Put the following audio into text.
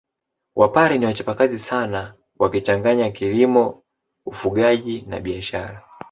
Wapare ni wachapakazi sana wakichanganya kilimo ufugaji na biashara